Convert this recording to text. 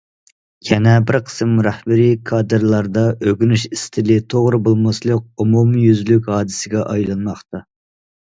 يەنە بىر قىسىم رەھبىرىي كادىرلاردا ئۆگىنىش ئىستىلى توغرا بولماسلىق ئومۇميۈزلۈك ھادىسىگە ئايلانماقتا.